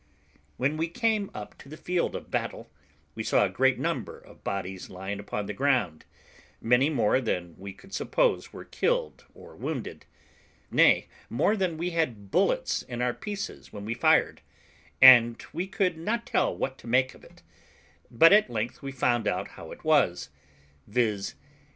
When we came up to the field of battle, we saw a great number of bodies lying upon the ground, many more than we could suppose were killed or wounded; nay, more than we had bullets in our pieces when we fired; and we could not tell what to make of it; but at length we found how it was, viz.